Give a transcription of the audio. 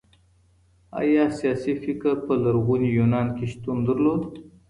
ايا سياسي فکر په لرغوني يونان کي شتون درلود؟